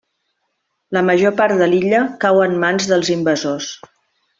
La major part de l’illa cau en mans dels invasors.